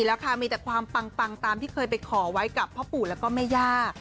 แล้วค่ะมีแต่ความปังตามที่เคยไปขอไว้กับพ่อปู่แล้วก็แม่ย่า